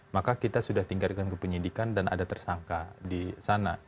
maka kita sudah tingkatkan ke penyidikan dan ada tersangka di sana